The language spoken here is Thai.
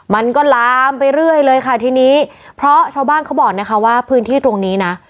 มันก็ลามไปเรื่อยเลยค่ะทีนี้เพราะชาวบ้านเขาบอกนะคะว่าพื้นที่ตรงนี้นะ